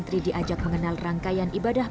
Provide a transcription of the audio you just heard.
laki laki ini berkabung dalam kebijaksanaan